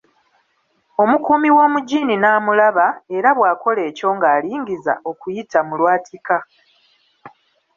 Omukuumi w'omugiini n'amulaba era bw'akola ekyo ng'alingiza okuyita mu lwatika.